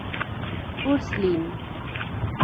Ur slin.